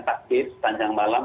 takbir sepanjang malam